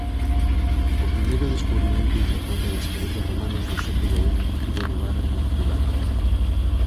O primeiro descubrimento importante de esqueletos romanos do século I tivo lugar en Herculano.